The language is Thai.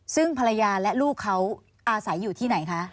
ซึ่งภรรยาและลูกเขาอาศัยอยู่ที่ไหนคะ